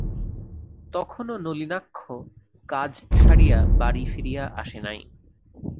তখনো নলিনাক্ষ কাজ সারিয়া বাড়ি ফিরিয়া আসে নাই।